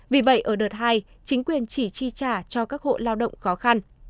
vì vậy ở đợt hai chính quyền chỉ chi trả cho các hộ lao động khó khăn